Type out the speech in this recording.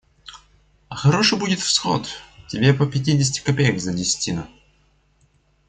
А хороший будет всход, тебе по пятидесяти копеек за десятину.